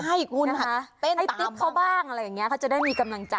ให้ติ๊บเขาบ้างอะไรอย่างเงี้ยเขาจะได้มีกำลังใจ